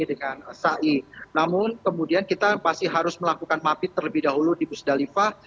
ya baik farhanisa namun kemudian kita pasti harus melakukan mapit terlebih dahulu di busdalifah